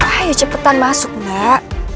ayo cepetan masuk gak